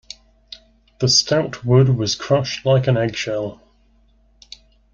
The stout wood was crushed like an eggshell.